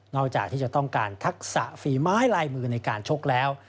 จากที่จะต้องการทักษะฝีไม้ลายมือในการชกแล้ว